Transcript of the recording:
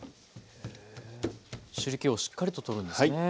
汁けをしっかりと取るんですね。